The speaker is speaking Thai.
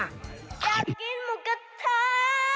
แยกกินหมูกะท้า